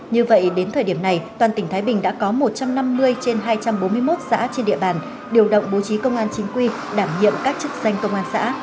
như vậy đến thời điểm này toàn tỉnh thái bình đã có một trăm năm mươi trên hai trăm bốn mươi một xã trên địa bàn điều động bố trí công an chính quy đảm nhiệm các chức danh công an xã